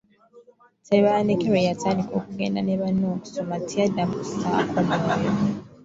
Tebandeke lwe yatandika okugenda ne banne okusoma teyaddamu kussaako mwoyo.